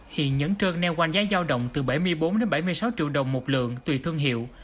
hiện nhẫn trơn neo quanh giá giao động từ bảy mươi bốn bảy mươi sáu triệu đồng một lượng tùy thương hiệu